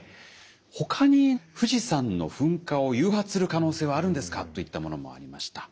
ほかに富士山の噴火を誘発する可能性はあるんですかといったものもありました。